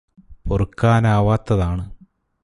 പൊറുക്കാനാവത്തതാണ്